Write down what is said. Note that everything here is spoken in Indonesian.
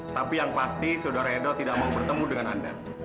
tapi yang pasti saudara edo tidak mau bertemu dengan anda